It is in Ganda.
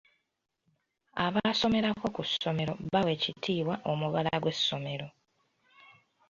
Abaasomerako ku ssomero bawa ekitiibwa omubala gw'essomero.